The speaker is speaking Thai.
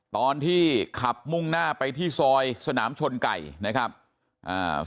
ตอนที่ขับมุ่งหน้าไปที่ซอยสนามชนไก่นะครับอ่า